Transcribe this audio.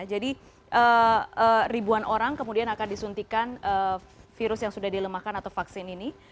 jadi ribuan orang kemudian akan disuntikan virus yang sudah dilemahkan atau vaksin ini